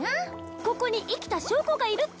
ここに生きた証拠がいるっちゃ。